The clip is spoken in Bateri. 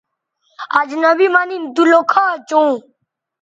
اجنبی مہ نِن تو لوکھا چوں